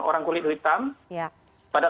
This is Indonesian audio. orang kulit hitam pada